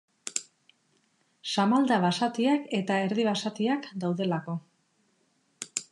Samalda basatiak eta erdi-basatiak daudelako.